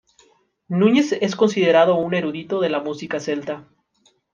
Núñez es considerado un erudito de la música celta.